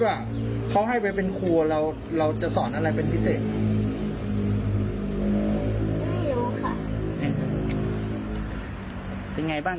แล้วมีเพื่อนเยอะไหมแล้วเราเล่นกับเพื่อนเป็นยังไงบ้าง